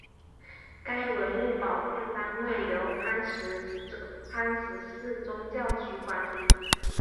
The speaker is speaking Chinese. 该文物保护单位由磐石市宗教局管理。